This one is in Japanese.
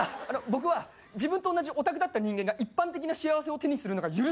僕は自分と同じオタクだった人間が一般的な幸せを手にするのが許せないんだよね。